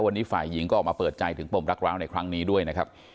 วันนี้ฝ่ายหญิงก็ออกมาเปิดใจถึงปมรักร้าวในครั้งนี้ด้วยนะครับ